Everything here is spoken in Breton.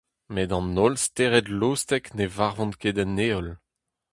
Met an holl stered-lostek ne varvont ket en Heol.